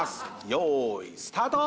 よーいスタート！